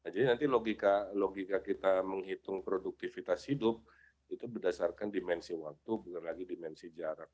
jadi nanti logika kita menghitung produktivitas hidup itu berdasarkan dimensi waktu bukan lagi dimensi jarak